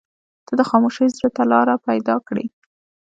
• ته د خاموشۍ زړه ته لاره پیدا کړې.